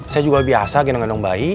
saya juga biasa gendong gendong bayi